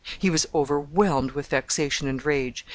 He was overwhelmed with vexation and rage.